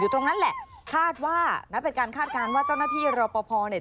ตรงนั้นแหละคาดว่านะเป็นการคาดการณ์ว่าเจ้าหน้าที่รอปภเนี่ย